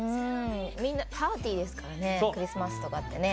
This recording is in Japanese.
パーティーですからねクリスマスとかってね。